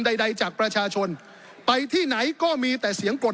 ขอประท้วงครับขอประท้วงครับขอประท้วงครับขอประท้วงครับ